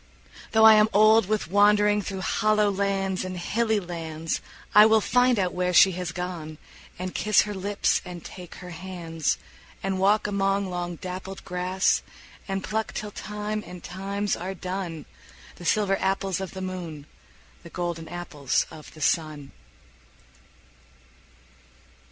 Though I am old with wandering Through hollow lands and hilly lands, I will find out where she has gone, And kiss her lips and take her hands; And walk among long dappled grass, And pluck till time and times are done The silver apples of the moon, The golden apples of the sun.